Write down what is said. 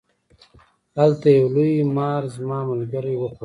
هلته یو لوی مار زما ملګری و خوړ.